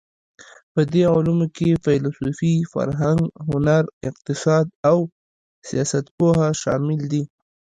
په دې علومو کې فېلسوفي، فرهنګ، هنر، اقتصاد او سیاستپوهه شامل دي.